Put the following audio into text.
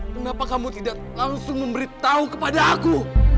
kenapa kamu tidak langsung memberitahu kepada aku